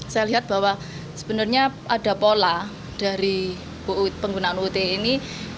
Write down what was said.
saya lihat bahwa sebenarnya ada pola dari penggunaan ut ini